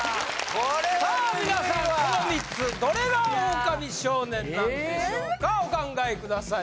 この３つどれがオオカミ少年なんでしょうかお考えください